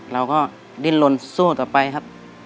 เราก็ดิ้นลนสู้ต่อไปครับ